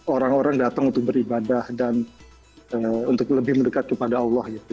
orang orang datang untuk beribadah dan untuk lebih mendekat kepada allah gitu